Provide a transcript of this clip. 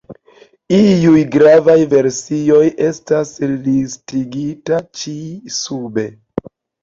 Iuj gravaj versioj estas listigitaj ĉi sube.